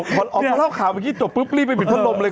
พอออกมาเล่าข่าวเมื่อกี้จบปุ๊บรีบไปบิดพัดลมเลย